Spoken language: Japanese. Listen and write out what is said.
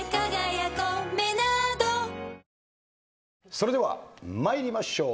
それでは参りましょう。